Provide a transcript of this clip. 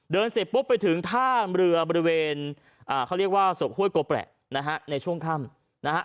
เสร็จปุ๊บไปถึงท่ามเรือบริเวณอ่าเขาเรียกว่าศพห้วยโกแประนะฮะในช่วงค่ำนะฮะ